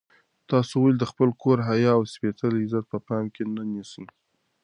تاسو ولې د خپل کور حیا او سپېڅلی عزت په پام کې نه نیسئ؟